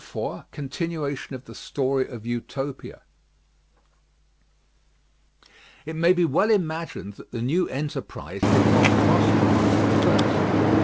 IV CONTINUATION OF THE STORY OF UTOPIA It may be well imagined that the new enterprise did not prosper much at first.